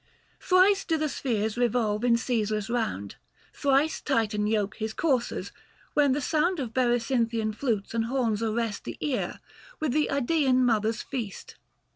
Thrice do the spheres revolve in ceaseless round, Thrice Titan yoke his coursers, when the sound Of Berecynthian flutes and horns arrest 200 The ear, with the Xdaean mother's feast.